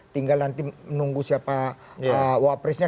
tinggal nanti menunggu siapa wapresnya